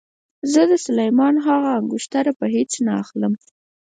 زه د سلیمان هغه انګشتره په هېڅ نه اخلم.